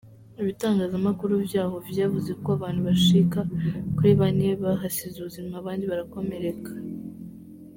Ibitangazamakuru vyaho vyavuze ko abantu bashika kuri bane bahasize ubuzima abandi barakomereka.